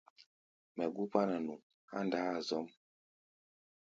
Mɛ gú kpána nu há̧ ndaá-a zɔ́m.